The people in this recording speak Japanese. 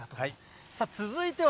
続いては、